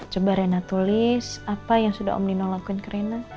coba rena tulis apa yang sudah omnino lakuin ke rena